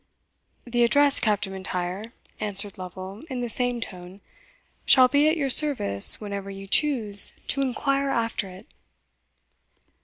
"The address, Captain M'Intyre," answered Lovel, in the same tone, "shall be at your service whenever you choose to inquire after it!"